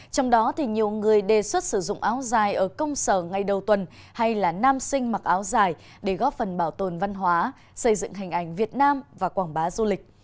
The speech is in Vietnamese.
trong đó thì nhiều người đề xuất sử dụng áo dài ở công sở ngay đầu tuần hay là nam sinh mặc áo dài để góp phần bảo tồn văn hóa xây dựng hình ảnh việt nam và quảng bá du lịch